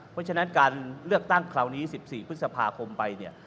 เพราะฉะนั้นการเลือกตั้งคราวนี้๑๔พฤษภาคมไปเนี่ย